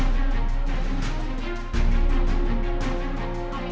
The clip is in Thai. โดยโดยโดย